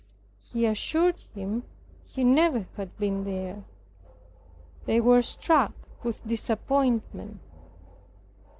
He assured him he never had been there. They were struck with disappointment.